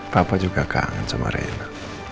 papa juga kangen sama reina